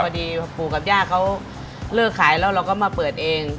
พอดีปู่กับย่าเขาเลิกขายแล้วเราก็มาเปิดเอง